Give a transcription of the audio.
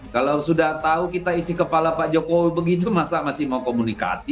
kalau sudah tahu kita isi kepala pak jokowi begitu masa masih mau komunikasi